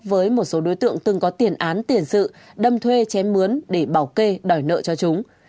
với một số đối tượng từng có tiền án tiền sự đâm thuê chém mướn để bảo kê đòi nợ cho chúng